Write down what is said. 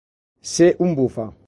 Ser un bufa.